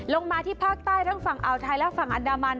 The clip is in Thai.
ลงมาที่ภาคใต้ทั้งฝั่งอ่าวไทยและฝั่งอันดามัน